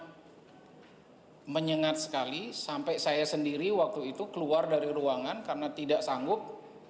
hai menyengat sekali sampai saya sendiri waktu itu keluar dari ruangan karena tidak sanggup